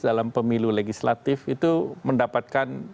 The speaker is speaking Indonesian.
dalam pemilu legislatif itu mendapatkan boost semangat